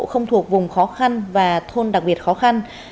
không thuộc vùng khó khăn và thôn đặc biệt khó khăn